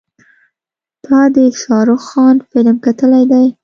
تا د شارخ خان فلم کتلی دی.